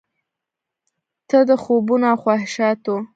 ته د خوبونو او خواهشاتو،